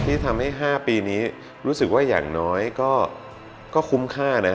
ที่ทำให้๕ปีนี้รู้สึกว่าอย่างน้อยก็คุ้มค่านะ